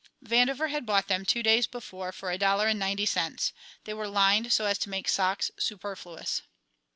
Vandover had bought them two days before for a dollar and ninety cents. They were lined so as to make socks superfluous.